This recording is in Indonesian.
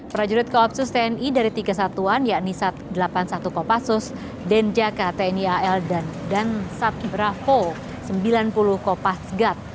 prajurit koopsus tni dari tiga satuan yakni sat delapan puluh satu kopassus denjaka tni al dan sat bravo sembilan puluh kopasgat